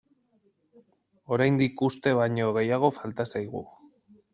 Oraindik uste baino gehiago falta zaigu.